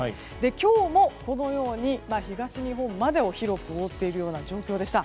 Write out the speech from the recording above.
今日も、このように東日本までを広く覆っているような状況でした。